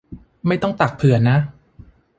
ไม่ต้องตักเผื่อนะ